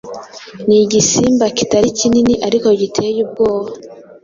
ni igisimba kitari kinini ariko giteye ubwoba